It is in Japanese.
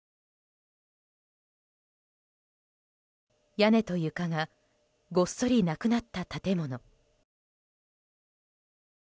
屋根と床がごっそりなくなった建物。